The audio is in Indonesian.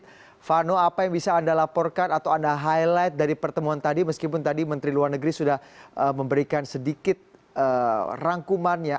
silvano apa yang bisa anda laporkan atau anda highlight dari pertemuan tadi meskipun tadi menteri luar negeri sudah memberikan sedikit rangkumannya